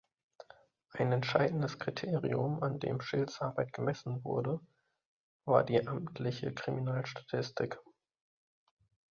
Ein entscheidendes Kriterium, an dem Schills Arbeit gemessen wurde, war die amtliche Kriminalstatistik.